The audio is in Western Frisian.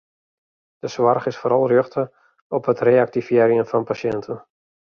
De soarch is foaral rjochte op it reaktivearjen fan pasjinten.